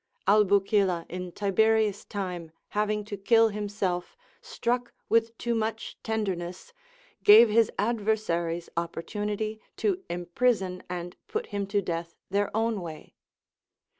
Albucilla in Tiberius time having, to kill himself, struck with too much tenderness, gave his adversaries opportunity to imprison and put him to death their own way.